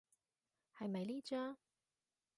係咪呢張？